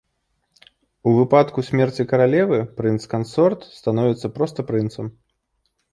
У выпадку смерці каралевы прынц-кансорт становіцца проста прынцам.